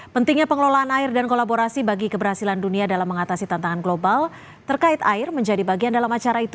pentingnya pengelolaan air dan kolaborasi bagi keberhasilan dunia dalam mengatasi tantangan global terkait air menjadi bagian dalam acara itu